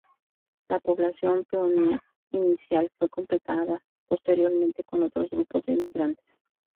La población peonia inicial fue complementada posteriormente con otros grupos de inmigrantes.